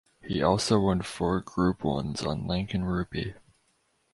He also won four Group Ones on Lankan Rupee.